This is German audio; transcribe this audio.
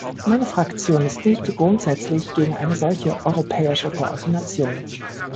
Meine Fraktion ist nicht grundsätzlich gegen eine solche europäische Koordination.